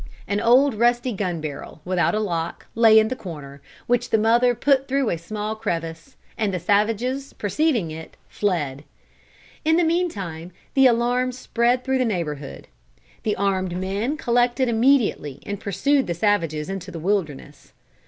An old rusty gun barrel, without a lock, lay in the corner, which the mother put through a small crevice, and the savages perceiving it, fled. In the meantime the alarm spread through the neighborhood; the armed men collected immediately and pursued the savages into the wilderness.